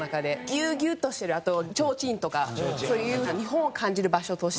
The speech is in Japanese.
ギュウギュウとしてるあとちょうちんとかそういうふうな日本を感じる場所として。